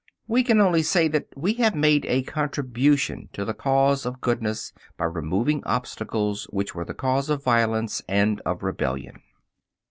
We can only say that we have made a contribution to the cause of goodness by removing obstacles which were the cause of violence and of rebellion.